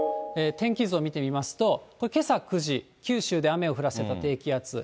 天気図を見てみますと、これ、けさ９時、九州で雨を降らせた低気圧。